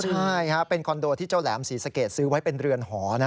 ใช่เป็นคอนโดที่เจ้าแหลมศรีสะเกดซื้อไว้เป็นเรือนหอ